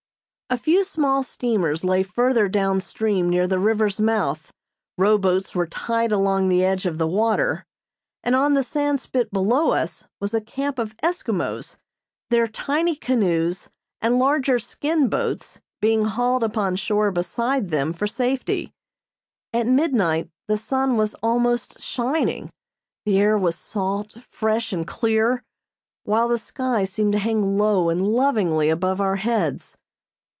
A few small steamers lay further down stream near the river's mouth, row boats were tied along the edge of the water, and on the Sandspit below us was a camp of Eskimos, their tiny canoes and larger skin boats being hauled upon shore beside them for safety. At midnight the sun was almost shining, the air was salt, fresh and clear, while the sky seemed to hang low and lovingly above our heads.